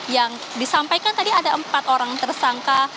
yang disampaikan tadi ada empat orang tersangka